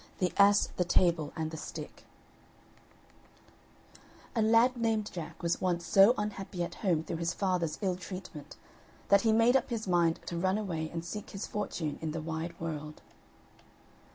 THE ASS, THE TABLE, AND THE STICK A lad named Jack was once so unhappy at home through his father's ill treatment, that he made up his mind to run away and seek his fortune in the wide world.